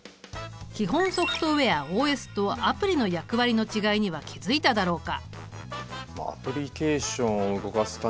基本ソフトウェアＯＳとアプリの役割の違いには気付いただろうか？